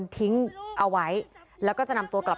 ทิ้งเอาไว้แล้วก็จะนำตัวกลับ